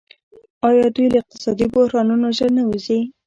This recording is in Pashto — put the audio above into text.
آیا دوی له اقتصادي بحرانونو ژر نه وځي؟